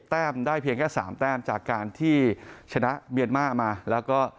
แต้มได้เพียงแค่สามแต้มจากการที่ชนะเมียนมาร์มาแล้วก็